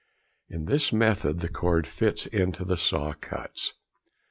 In this method the cord fits into the saw cuts.